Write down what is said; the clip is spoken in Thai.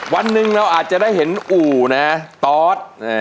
วันหนึ่งเราอาจจะได้เห็นอู่นะตอส